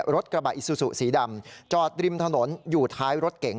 รถกระบะอิซูซูสีดำจอดริมถนนอยู่ท้ายรถเก๋ง